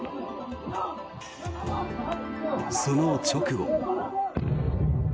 その直後。